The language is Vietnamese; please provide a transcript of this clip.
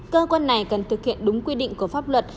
cơ quan này cần thực hiện đúng quy định của pháp luật